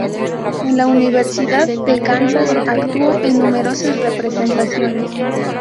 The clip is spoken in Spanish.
En la Universidad de Kansas actuó en numerosas representaciones.